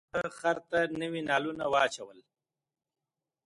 هغه خر ته نوي نالونه واچول.